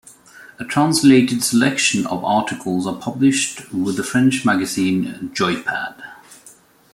A translated selection of articles are published with the French magazine "Joypad".